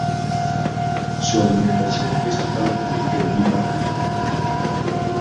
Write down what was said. Su alimentación es totalmente herbívora.